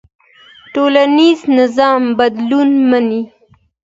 ټولنيز نظام بدلون مني.